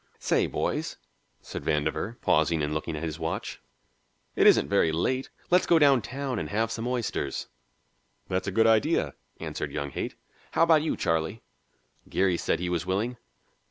"Say, boys," said Vandover, pausing and looking at his watch, "it isn't very late; let's go downtown and have some oysters." "That's a good idea," answered young Haight. "How about you, Charlie?" Geary said he was willing.